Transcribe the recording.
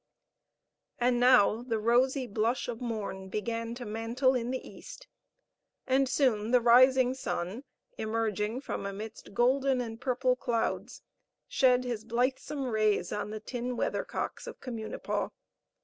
And now the rosy blush of morn began to mantle in the east, and soon the rising sun, emerging from amidst golden and purple clouds, shed his blithesome rays on the tin weathercocks of Communipaw.